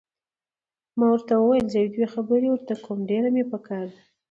ما ورته وویل: زه یو دوې خبرې ورته کوم، ډېره مې پکار ده.